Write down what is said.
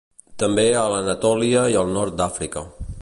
També a l'Anatòlia i al nord d'Àfrica.